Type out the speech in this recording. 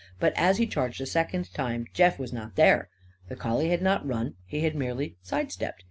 But as he charged a second time Jeff was not there. The collie had not run; he had merely side stepped.